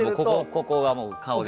ここがもう顔で。